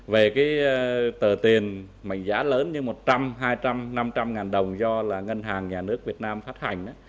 về cái tờ tiền mệnh giá lớn như một trăm linh hai trăm năm trăm linh ngàn đồng do là ngân hàng nhà nước việt nam phát hành